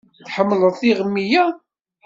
Tḥemmleḍ tiɣmi-ya?